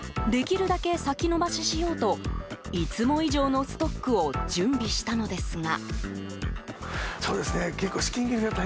できるだけ先延ばししようといつも以上のストックを準備したのですが。